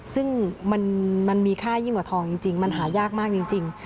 ซึ่งมันมีค่ายิ่งกว่าทองจริงมันหายากมากจริง